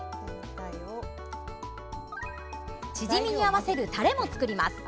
チヂミに合わせるタレも作ります。